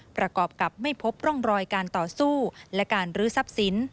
ประกอบกับไม่พบร่องรอยการต่อสู้และการรื้อทรัพย์สิน